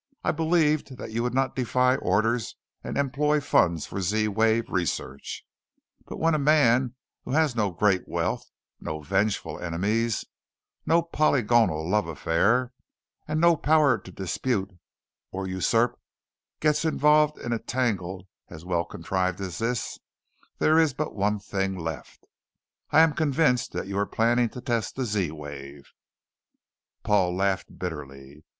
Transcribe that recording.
I believed that you would not defy orders and employ funds for Z wave research. But when a man who has no great wealth, no vengeful enemies, no polygonal love affairs, and no power to dispute or usurp gets involved in a tangle as well contrived as this, there is but one thing left: I am convinced that you are planning to test the Z wave!" Paul laughed, bitterly.